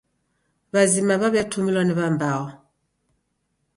W'azima w'aw'iatumilwa ni w'ambao.